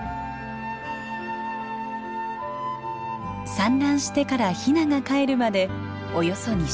産卵してからヒナがかえるまでおよそ２週間。